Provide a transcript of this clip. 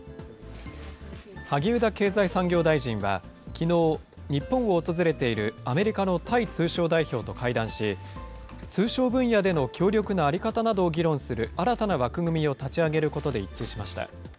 萩生田経済産業大臣は、きのう、日本を訪れているアメリカのタイ通商代表と会談し、通商分野での協力の在り方などを議論する、新たな枠組みを立ち上げることで一致しました。